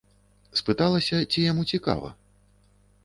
Спыталася, ці яму цікава.